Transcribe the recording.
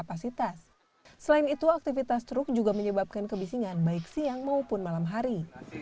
aktivitas truk juga menyebabkan kebisingan baik siang maupun malam hari